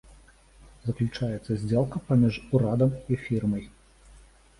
Заключаецца здзелка паміж урадам і фірмай.